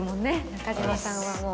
中島さんはもう。